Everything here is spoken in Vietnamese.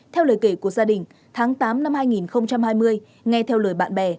theo lời kể của gia đình tháng tám năm hai nghìn hai mươi nghe theo lời bạn bè